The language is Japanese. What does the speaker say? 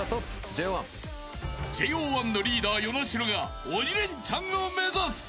ＪＯ１のリーダー、與那城が「鬼レンチャン」を目指す。